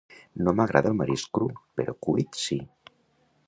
No m'agrada el marisc cru, però cuit sí.